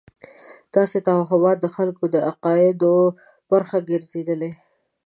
داسې توهمات د خلکو د عقایدو برخه ګرځېدلې.